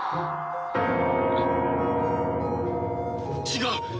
違う！